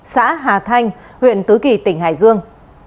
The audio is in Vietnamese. xã hà thanh huyện tứ kỳ tỉnh hải dương